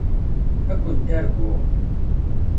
Ad kent-arguɣ.